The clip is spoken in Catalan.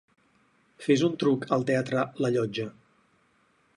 Fes un truc al teatre la Llotja.